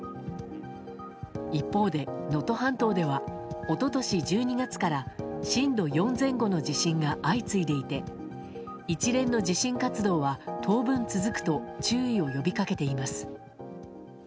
一方で、能登半島では一昨年１２月から震度４前後の地震が相次いでいて一連の地震活動は当分続くと注意を呼び掛けています。